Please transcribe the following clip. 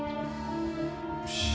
よし。